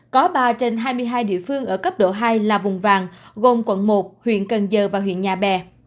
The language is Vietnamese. có ba trên hai mươi hai địa phương ở cấp độ hai là vùng vàng gồm quận một huyện cần giờ và huyện nhà bè